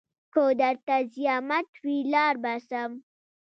که درته زيامت وي لاړ به سم.